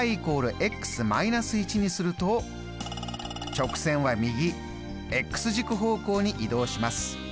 直線は右軸方向に移動します。